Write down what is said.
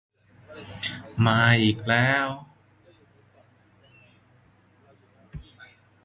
มาอีกแล้ว